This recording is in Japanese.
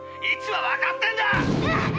位置はわかってるんだ！